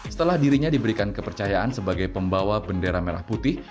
setelah dirinya diberikan kepercayaan sebagai pembawa bendera merah putih